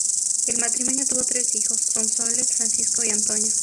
El matrimonio tuvo tres hijos: Sonsoles, Francisco y Antonio.